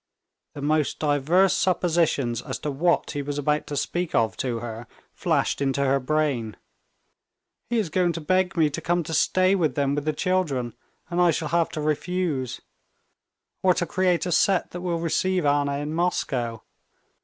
The most diverse suppositions as to what he was about to speak of to her flashed into her brain. "He is going to beg me to come to stay with them with the children, and I shall have to refuse; or to create a set that will receive Anna in Moscow....